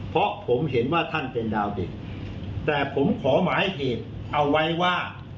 เพราะผมเห็นว่าท่านเป็นดาวเด่นแต่ผมขอหมายเหตุเอาไว้ว่า